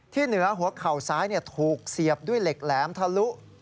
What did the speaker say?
เหนือหัวเข่าซ้ายถูกเสียบด้วยเหล็กแหลมทะลุ